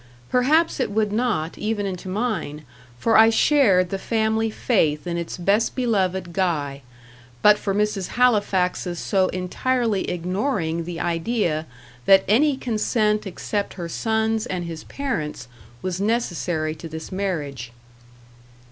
Perhaps it would not, even into mine, for I shared the family faith in its best beloved Guy; but for Mrs. Halifax's so entirely ignoring the idea that any consent except her son's and his parents' was necessary to this marriage.